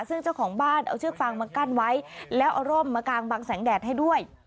ซึ่งเจ้าของบ้านเอาเชือกฟางมากั้นไว้แล้วเอาร่มมากางบางแสงแดดให้ด้วย